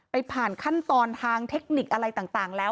ผ่านขั้นตอนทางเทคนิคอะไรต่างแล้ว